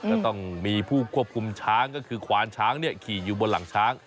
ก็ต้องมีผู้ควบคุมช้างก็คือควานช้างขี่อยู่บนหลังช้าง